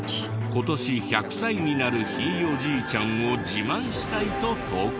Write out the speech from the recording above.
今年１００歳になるひいおじいちゃんを自慢したいと投稿。